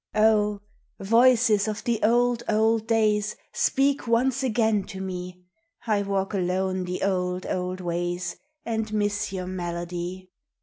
OH, voices of the old, old days, Speak once again to me, I walk alone the old, old ways And miss your melody.